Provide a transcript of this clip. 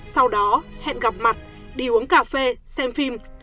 sau đó hẹn gặp mặt đi uống cà phê xem phim